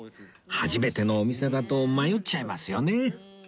初めてのお店だと迷っちゃいますよね